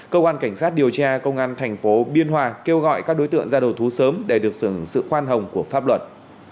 cơ quan cảnh sát điều tra công an thành phố biên hòa kêu gọi các đối tượng ra đầu thú sớm để được sửng sự khoan hồng của pháp luật